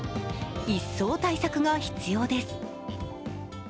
一層対策が必要です。